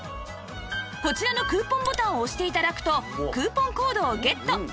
こちらのクーポンボタンを押して頂くとクーポンコードをゲット